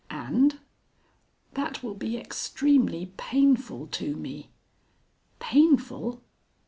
"And?" "That will be extremely painful to me." "Painful!...